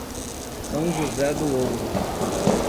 São José do Ouro